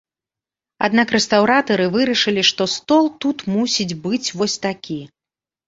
Аднак рэстаўратары вырашылі, што стол тут мусіць быць вось такі.